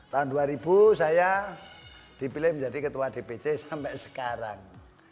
tahun dua ribu saya dipilih menjadi ketua dpc sampai sekarang